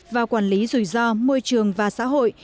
và quản lý rủi ro môi trường và xã hội